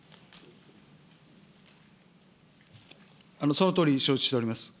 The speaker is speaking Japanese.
そのとおりに承知しております。